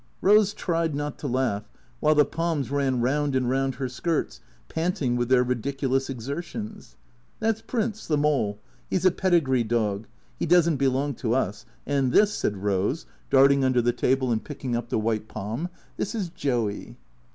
Rose tried not to laugh, while the Poms ran round and round her skirts, panting with their ridiculous exertions. " That 's Prince — the mole — he 's a pedigree dog. He does n't belong to us. And this," said Rose, darting under the table and picking up the white Pom, " this is Joey."